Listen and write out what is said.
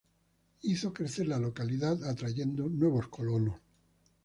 Hizo crecer la localidad atrayendo nuevos colonos.